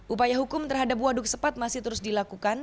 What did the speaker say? upaya hukum terhadap waduk sepat masih terus dilakukan